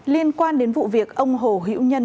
liên quan đến vụ việc ông hồ hữu nhân